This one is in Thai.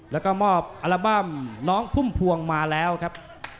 แล้วก็มอบอัลบั้มน้องพุ่มพวงมาแล้วครับ